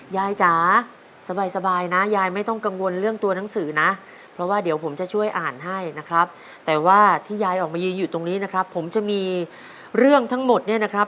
จ๋าสบายนะยายไม่ต้องกังวลเรื่องตัวหนังสือนะเพราะว่าเดี๋ยวผมจะช่วยอ่านให้นะครับแต่ว่าที่ยายออกมายืนอยู่ตรงนี้นะครับผมจะมีเรื่องทั้งหมดเนี่ยนะครับ